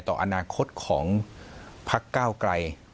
ต่ออนาคตของพักก้าวไกล